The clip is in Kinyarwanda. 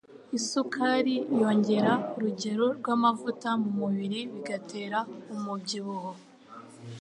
isukari yongera urugero rw'amavuta mu mubiri bigatera umubyibuho